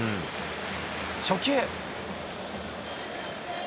初球。